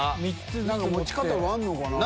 持ち方があんのかな。